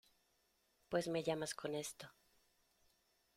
pues me llamas con esto.